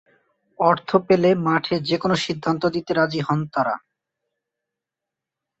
অর্থ পেলে মাঠে যেকোনও সিদ্ধান্ত দিতে রাজি হন তারা।